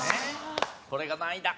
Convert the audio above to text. これが何位だ？